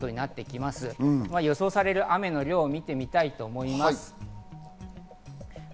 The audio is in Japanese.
予想される雨の量を見てみたいと思います。